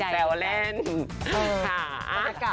ให้เขาถ่วยเวลา